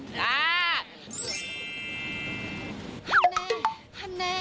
ก็ลงตัวค่ะถือว่าลงตัวเลย